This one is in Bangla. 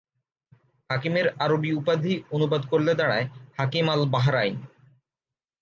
হাকিমের আরবি উপাধি অনুবাদ করলে দাড়ায় হাকিম আল-বাহরাইন।